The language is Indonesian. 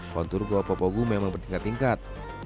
kontur gua popogu memang bertingkat tingkat